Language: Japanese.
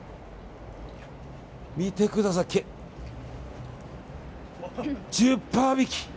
見てください、１０％引き！